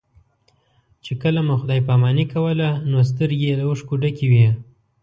چې کله مو خدای پاماني کوله نو سترګې یې له اوښکو ډکې وې.